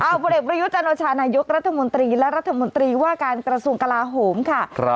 เอาผลเอกประยุจันโอชานายกรัฐมนตรีและรัฐมนตรีว่าการกระทรวงกลาโหมค่ะ